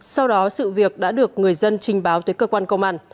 sau đó sự việc đã được người dân trình báo tới cơ quan công an